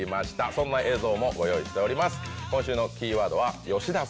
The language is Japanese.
そんな映像もご用意しております。